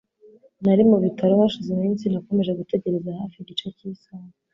Nari mu bitaro hashize iminsi. Nakomeje gutegereza hafi igice cy'isaha.